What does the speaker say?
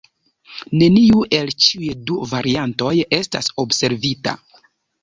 Neniu el ĉiuj du variantoj estas observita.